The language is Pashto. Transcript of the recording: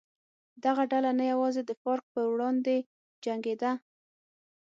دغه ډله نه یوازې د فارک پر وړاندې جنګېده.